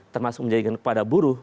termasuk menjanjikan kepada buruh